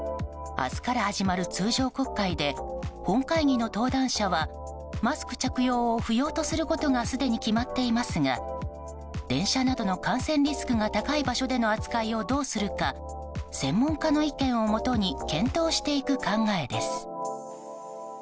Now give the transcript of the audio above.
明日から始まる通常国会で本会議の登壇者はマスク着用を不要とすることがすでに決まっていますが電車などの感染リスクが高い場所での扱いをどうするか専門家の意見をもとに検討していく考えです。